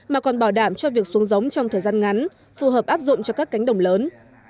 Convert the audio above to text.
mà còn bảo đảm cho việc xuống giống trong thời gian ngắn phù hợp áp dụng cho các cánh đồng lớn